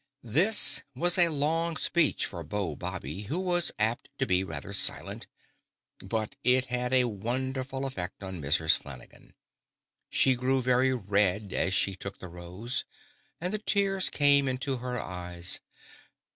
This was a long speech for Beau Bobby, who was apt to be rather silent; but it had a wonderful effect on Mrs. Flanagan. She grew very red as she took the rose, and the tears came into her eyes.